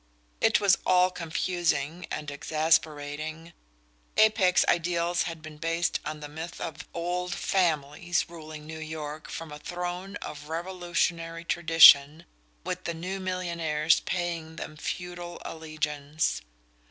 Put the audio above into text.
It was all confusing and exasperating. Apex ideals had been based on the myth of "old families" ruling New York from a throne of Revolutionary tradition, with the new millionaires paying them feudal allegiance.